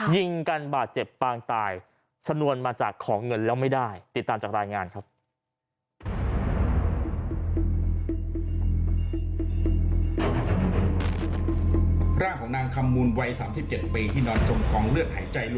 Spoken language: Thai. ยิงกันบาดเจ็บปางตายชนวนมาจากของเงินแล้วไม่ได้ติดตามจากรายงานครับ